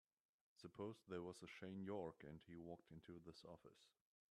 Suppose there was a Shane York and he walked into this office.